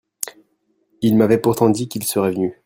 Il m'avait pourtant dit qu'il serait venu.